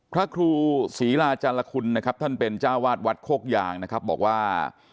พระครูศรีลาจารคุณนะครับท่านเป็นเจ้าวาดวัดโคกยางนะครับบอกว่า